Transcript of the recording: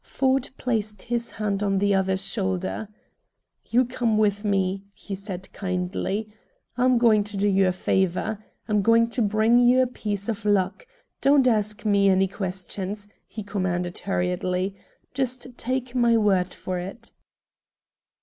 Ford placed his hand on the other's shoulder. "You come with me," he said kindly. "I'm going to do you a favor. I'm going to bring you a piece of luck. Don't ask me any questions," he commanded hurriedly. "Just take my word for it."